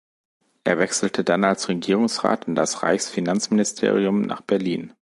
Er wechselte dann als Regierungsrat in das Reichsfinanzministerium nach Berlin.